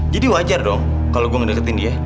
jadi wajar dong kalo gue ngedeketin dia